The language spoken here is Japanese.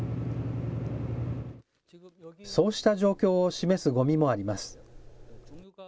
そうした状況を示すごみもあります。